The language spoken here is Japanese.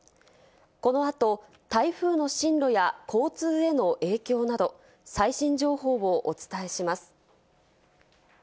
この後、台風の進路や交通への影響など最新情報をお伝えします。